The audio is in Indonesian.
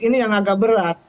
ini yang agak berat